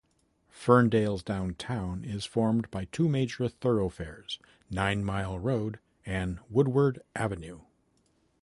Ferndale's downtown is formed by two major thoroughfares, Nine Mile Road and Woodward Avenue.